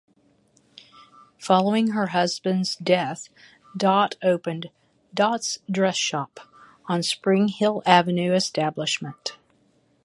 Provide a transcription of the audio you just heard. Following her husband's death, Dot opened "Dot's Dress Shoppe" on Springhill Avenue establishment.